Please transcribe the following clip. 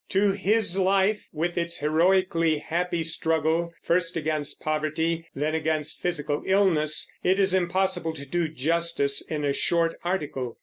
To his life, with its "heroically happy" struggle, first against poverty, then against physical illness, it is impossible to do justice in a short article.